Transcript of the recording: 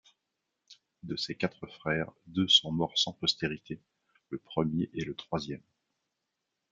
De ces quatre frères, deux sont morts sans postérité, le premier et le troisième.